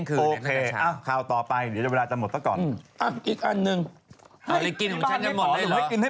มะพอละ